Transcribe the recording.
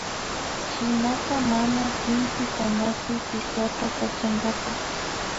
Shinaka mana sinchi kanachu sisata kachankapa